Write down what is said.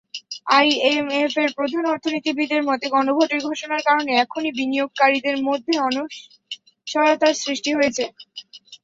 আইএমএফের প্রধান অর্থনীতিবিদের মতে, গণভোটের ঘোষণার কারণে এখনই বিনিয়োগকারীদের মধ্যে অনিশ্চয়তার সৃষ্টি হয়েছে।